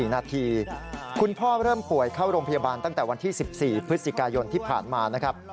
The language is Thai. ๔นาทีคุณพ่อเริ่มป่วยเข้าโรงพยาบาลตั้งแต่วันที่๑๔พฤศจิกายนที่ผ่านมานะครับ